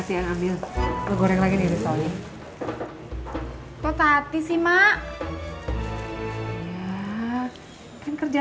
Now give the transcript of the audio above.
kan kamu gak punya sepeda